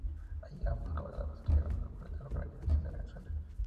Allí ambos ganadores obtuvieron el boleto a la Primera División de Venezuela.